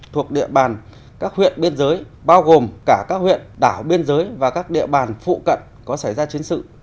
thuộc địa bàn các huyện biên giới bao gồm cả các huyện đảo biên giới và các địa bàn phụ cận có xảy ra chiến sự